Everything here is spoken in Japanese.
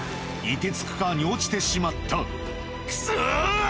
いてつく川に落ちてしまったクソ！